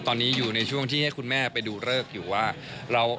ตอนนี้อยู่ในช่วงที่ให้คุณแม่ไปดูเลิกอยู่ว่า